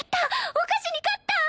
お菓子に勝った！